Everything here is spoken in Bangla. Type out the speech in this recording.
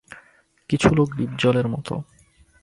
কিছু লোক ডিপজলের মতো।